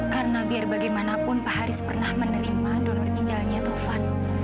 karena biar bagaimanapun pak haris pernah menerima donor ginjalnya taufan